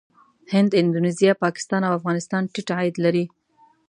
هند، اندونیزیا، پاکستان او افغانستان ټيټ عاید لري.